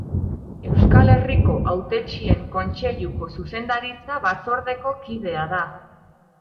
Euskal Herriko Hautetsien Kontseiluko zuzendaritza batzordeko kidea da.